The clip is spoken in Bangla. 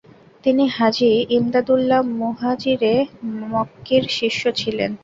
তিনি হাজী ইমদাদউল্লাহ মুহাজিরে মক্কির শিষ্য ছিলেন।